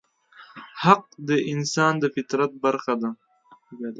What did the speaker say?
حق د انسان د فطرت برخه ده.